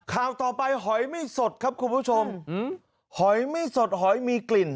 ข่าวต่อไปหอยไม่สดครับคุณผู้ชมหอยไม่สดหอยมีกลิ่น